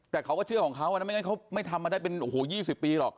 แต่เขาก็เชื่อของเขาอันนั้นไม่งั้นเขาไม่ทำมาได้เป็นโอ้โห๒๐ปีหรอก